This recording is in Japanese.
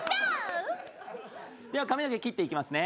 では髪の毛切っていきますね。